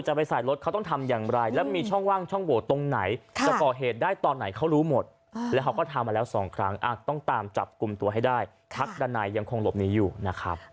จะไปใส่รถเขาต้องทำอย่างไรแล้วมีช่องว่างช่องโหวตตรงไหน